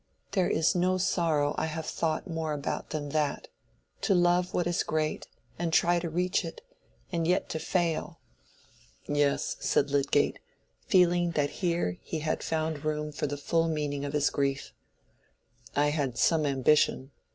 There is no sorrow I have thought more about than that—to love what is great, and try to reach it, and yet to fail." "Yes," said Lydgate, feeling that here he had found room for the full meaning of his grief. "I had some ambition.